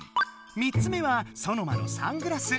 ３つ目はソノマのサングラス。